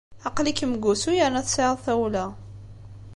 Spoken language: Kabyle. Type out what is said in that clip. Aql-ikem deg wusu yerna tesɛiḍ tawla.